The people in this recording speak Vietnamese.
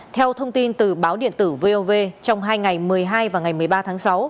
theo thông tin từ báo điện tử vov trong hai ngày một mươi hai và ngày một mươi ba tháng sáu